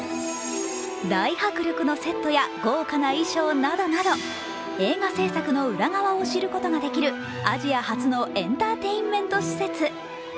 大迫力のセットや豪華な衣装などなど映画製作の裏側を知ることができるアジア初のエンターテインメント施設。